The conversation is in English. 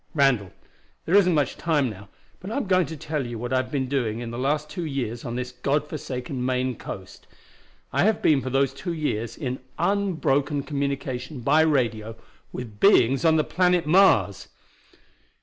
"Randall, there isn't much time now, but I am going to tell you what I have been doing in the last two years on this God forsaken Maine coast. I have been for those two years in unbroken communication by radio with beings on the planet Mars!